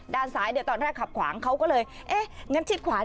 ด้านซ้ายตอนแรกเห็นเขาก็แข็งขวา